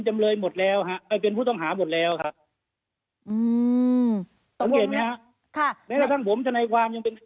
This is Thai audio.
ทำเย็นไหมค่ะไม่กระทั่งผมชนัยความยังเป็น